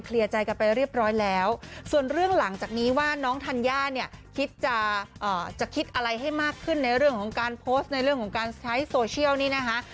ในเรื่องของการโพสต์ในเรื่องของการใช้โซเชียลนี้นะคะ